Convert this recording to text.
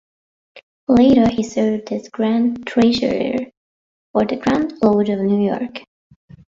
Later he served as Grand Treasurer for the Grand Lodge of New York.